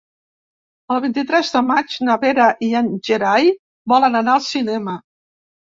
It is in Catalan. El vint-i-tres de maig na Vera i en Gerai volen anar al cinema.